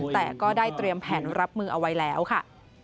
แต่ก็ได้เตรียมแผนรับมือเอาไว้แล้วค่ะ